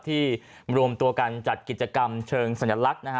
รวมตัวกันจัดกิจกรรมเชิงสัญลักษณ์นะฮะ